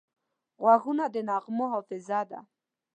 غوږونه د نغمو حافظه ده